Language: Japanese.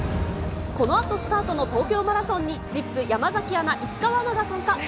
このあとスタートの東京マラソンにＺＩＰ、山崎アナ、石川アナが参加。